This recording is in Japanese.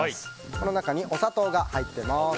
この中にお砂糖が入っています。